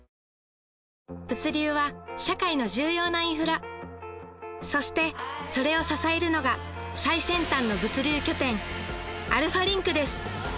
物流は社会の重要なインフラそしてそれを支えるのが最先端の物流拠点アルファリンクです